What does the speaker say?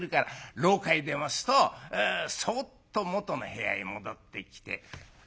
廊下へ出ますとそっともとの部屋へ戻ってきて。